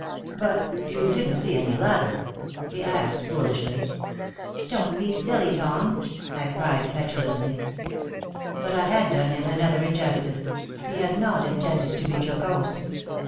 "But you didn't see any lather?" he asked, foolishly. "Don't be silly, Tom," I cried, petulantly. But I had done him another injustice; he had not intended to be jocose.